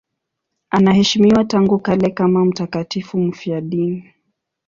Anaheshimiwa tangu kale kama mtakatifu mfiadini.